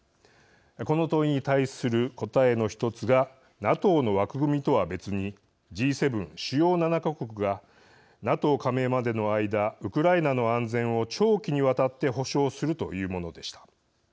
この問いに対する答えの１つがＮＡＴＯの枠組みとは別にＧ７＝主要７か国がＮＡＴＯ加盟までの間ウクライナの安全を長期にわたって保障するというものでした。